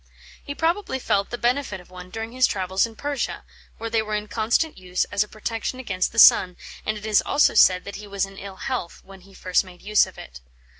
He probably felt the benefit of one during his travels in Persia, where they were in constant use as a protection against the sun, and it is also said that he was in ill health when he first made use of it.